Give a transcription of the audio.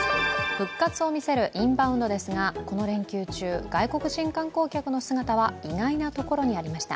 復活を見せるインバウンドですが、この連休中、外国人観光客の姿は意外なところにありました。